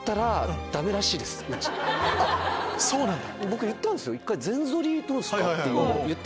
そうなんだ。